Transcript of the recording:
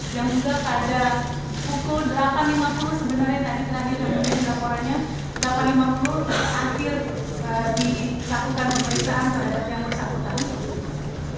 yang juga pada pukul delapan lima puluh sebenarnya tadi tadi ada di laporannya delapan lima puluh akhir dilakukan pemeriksaan terhadap yang bersatu tadi